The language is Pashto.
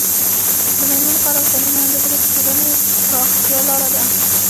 د میرمنو کار او تعلیم مهم دی ځکه چې ټولنې پراختیا لاره ده.